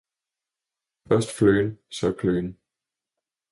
Først flø'en, så kløen'!